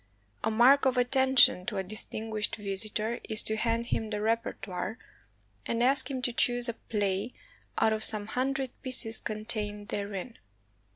A mark of attention to a distinguished visitor is to hand him the repertoire, and ask him to choose a play out of some hundred pieces contained therein.